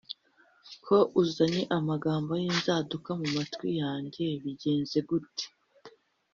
ko uzanye amagambo y inzaduka mu matwi yange bigenze gute?